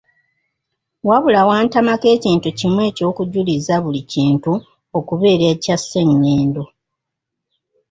Wabula wantamako ekintu kimu eky’okujuliza buli kintu okubeera ekya Ssenyondo.